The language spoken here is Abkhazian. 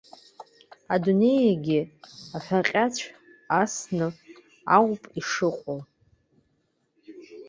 Адунеигьы аҳәаҟьацәа асны ауп ишыҟоу.